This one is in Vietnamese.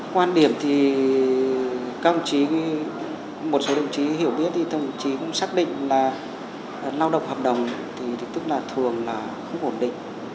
quan điểm thì các ông chí một số đồng chí hiểu biết thì thậm chí cũng xác định là lao động hợp đồng thì tức là thường là không ổn định